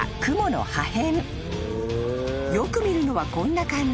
［よく見るのはこんな感じ。